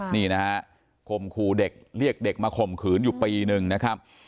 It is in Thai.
นี่นะฮะคมครูเด็กเรียกเด็กมาข่มขืนอยู่ปีหนึ่งนะครับ